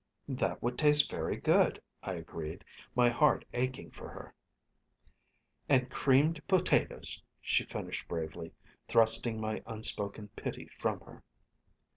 "That would taste very good," I agreed, my heart aching for her. "And creamed potatoes," she finished bravely, thrusting my unspoken pity from her.